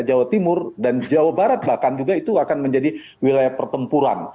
jawa timur dan jawa barat bahkan juga itu akan menjadi wilayah pertempuran